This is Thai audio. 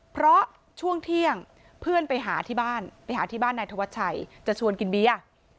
เพราะช่วงเที่ยงเพื่อนไปหาที่บ้านไปหาที่บ้านนายธวัชชัยจะชวนกินเบียร์